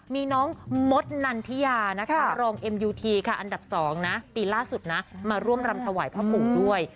มีน้องมดนันทิยารองมยอันดับ๒ปีล่าสุดมาร่วมรำถวายพ่อปู่ด้วย